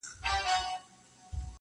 o سترگو کي باڼه له ياده وباسم.